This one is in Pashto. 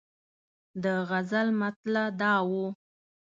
د غزل مطلع دا وه.